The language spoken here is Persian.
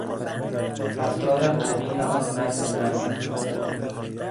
رفتار قبیح آن مرد مست